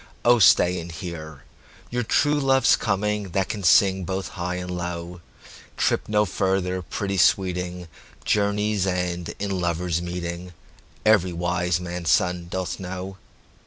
O stay and hear! your true love's comingThat can sing both high and low; Trip no further, pretty sweeting, Journeys end in lovers' meeting—Every wise man's son doth know.